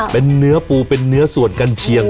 เป็นเนื้อปูเป็นเนื้อส่วนกันเชียง